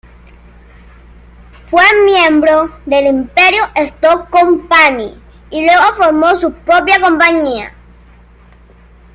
Fue miembro del Imperio Stock Company, y luego formó su propia compañía.